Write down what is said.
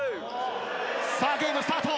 さあゲームスタート。